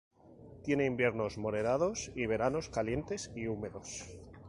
Tiene inviernos moderados y veranos calientes y húmedos.